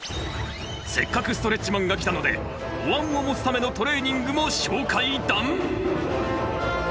せっかくストレッチマンが来たのでおわんを持つためのトレーニングも紹介だん！